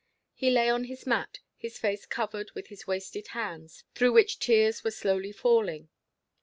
He lay on his mat, his face covered with his wasted hands, through which tears were slowly falling.